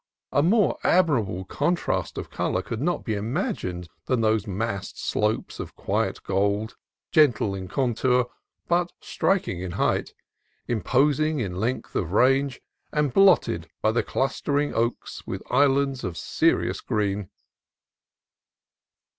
A more admirable contrast of color could not be imagined than these massed slopes of quiet gold, gentle in contour, but striking in height, imposing in length of range, and blotted by the clustering oaks with islands of serious green.